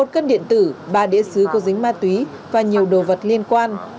một cân điện tử ba đĩa xứ có dính ma túy và nhiều đồ vật liên quan